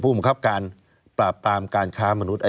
บังคับการปราบปรามการค้ามนุษย์